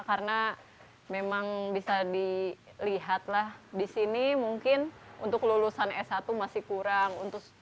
karena memang bisa dilihat lah di sini mungkin untuk lulusan s satu masih kurang